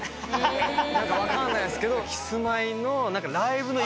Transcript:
分かんないですけど。